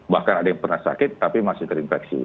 bahkan ada yang pernah sakit tapi masih terinfeksi